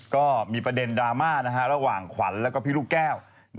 ก็มีประเด็นดราม่าระหว่างขวัญแล้วก็พี่ลูกแก้ว